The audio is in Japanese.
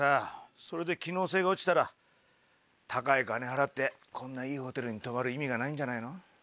それで機能性が落ちたら高い金払ってこんないいホテルに泊まる意味がないんじゃないの？